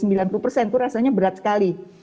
itu rasanya berat sekali